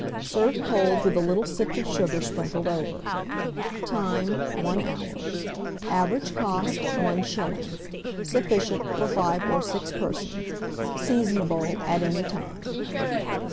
Serve cold, with a little sifted sugar sprinkled over. Time. 1 hour. Average cost, 1s. Sufficient for 5 or 6 persons. Seasonable at any time.